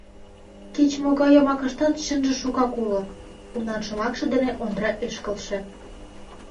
— Кеч-могай йомакыштат чынже шукак уло, — унан шомакше дене Ондре ыш келше.